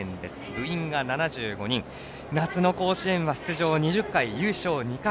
部員が７５人夏の甲子園出場２０回優勝２回。